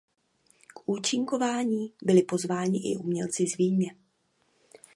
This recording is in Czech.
K účinkování byli pozváni i umělci z Vídně.